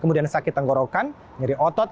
kemudian sakit tenggorokan nyeri otot